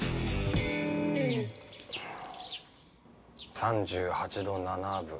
３８度７分。